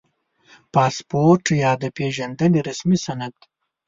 • پاسپورټ یا د پېژندنې رسمي سند